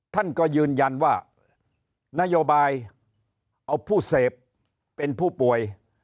ท่านก็ยืนยันว่านโยบายเอาผู้เสพเป็นผู้ป่วย